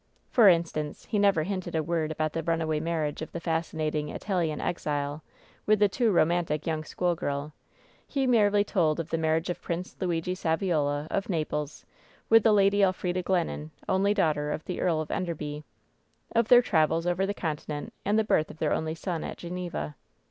For instance, he never hinted a word about the run away marriage of the fascinating Italian exile with the too romantic young school girl. He merely told of the marriage of Prince Luigi Saviola, of Naples, with the Lady Elfrida Glennon, only daughter of the Earl of WHEN SHADOWS DEE 269 Enderby. Of their travels over the Continent, and of the birth of their only son at Geneva.